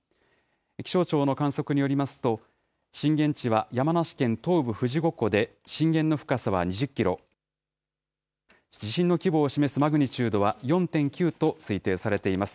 気象庁の観測によりますと、震源地は山梨県東部富士五湖で、震源の深さは２０キロ、地震の規模を示すマグニチュードは４．９と推定されています。